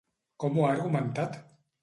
Com ho ha argumentat?